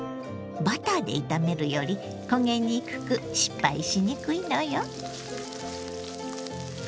バターで炒めるより焦げにくく失敗しにくいのよ。